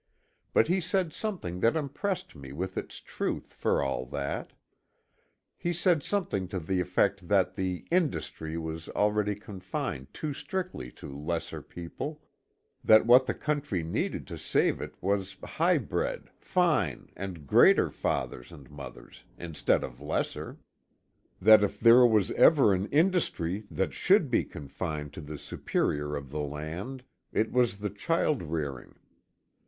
But he said something that impressed me with its truth, for all that. He said something to the effect that the "industry" was already confined too strictly to "lesser people;" that what the country needed to save it was high bred, fine and greater fathers and mothers, instead of lesser; that if there was ever an "industry" that should be confined to the superior of the land, it was child rearing.